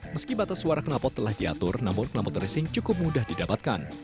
meski batas suara kenalpot telah diatur namun kenalpot racing cukup mudah didapatkan